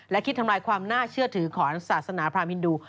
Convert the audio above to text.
และคิดทำลายความน่าเชื่อถือของศาสนาพรามฮินดู